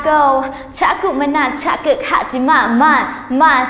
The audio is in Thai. โอ้จิมมะ